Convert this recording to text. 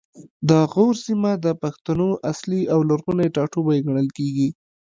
د غور سیمه د پښتنو اصلي او لرغونی ټاټوبی ګڼل کیږي